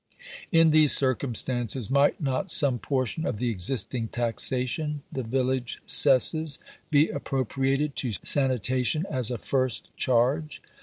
In these circumstances might not some portion of the existing taxation (the village "cesses") be appropriated to sanitation as a first charge?